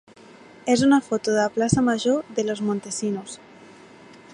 és una foto de la plaça major de Los Montesinos.